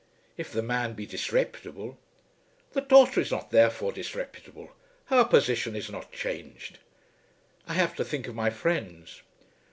"If the man be disreputable, " "The daughter is not therefore disreputable. Her position is not changed." "I have to think of my friends."